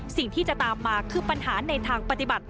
สิ่งที่จะตามมาคือปัญหาในทางปฏิบัติ